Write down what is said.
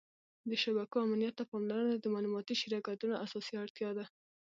د شبکو امنیت ته پاملرنه د معلوماتي شرکتونو اساسي اړتیا ده.